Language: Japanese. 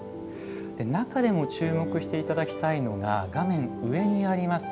中でも注目していただきたいのが画面の上にあります